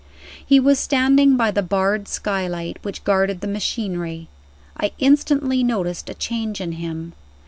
He was standing by the barred skylight which guarded the machinery. I instantly noticed a change in him.